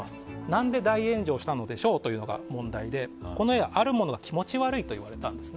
何で大炎上したのでしょうというのが問題で、この絵のあるものが気持ち悪いといったんです。